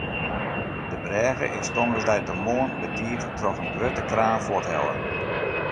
De brêge is tongersdeitemoarn betiid troch in grutte kraan fuorthelle.